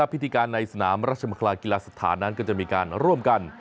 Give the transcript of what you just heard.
พิธีการในสนามราชมังคลากีฬาสถานนั้นก็จะมีการร่วมกัน